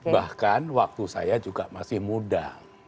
bahkan waktu saya juga masih muda